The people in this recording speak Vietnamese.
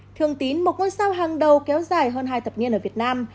thương tín một ngôi sao hàng đầu kéo dài hơn hai thập nghiên ở việt nam